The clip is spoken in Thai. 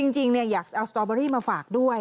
จริงเนี่ยอยากเอาสตอร์เบอร์รี่มาฝากด้วย